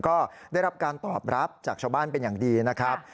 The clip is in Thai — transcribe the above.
ก็ได้รับการตอบรับจากชาวบ้านเป็นอย่างดีนะครับ